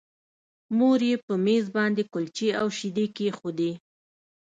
مور یې په مېز باندې کلچې او شیدې کېښودې